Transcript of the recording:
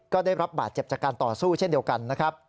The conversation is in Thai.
ก็ได้รับบาดเจ็บจากการต่อสู้เช่นเดียวกันนะครับ